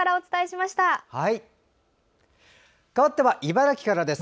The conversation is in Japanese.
かわっては茨城からです。